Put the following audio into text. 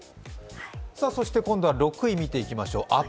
今度は６位見ていきましょう